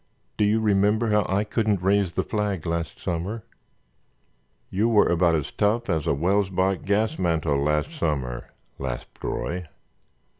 Do you remember how I couldn't raise the flag last summer?" "You were about as tough as a Welsbach gas mantel last summer," laughed Roy.